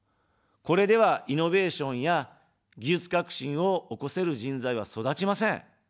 これでは、イノベーションや技術革新を起こせる人材は育ちません。